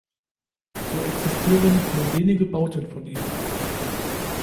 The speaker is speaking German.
So existieren nur wenige Bauten von ihm.